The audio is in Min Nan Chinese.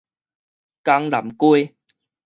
江南街